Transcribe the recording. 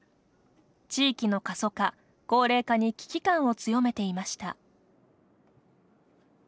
地域の過疎化高齢化に危機感を強めていました。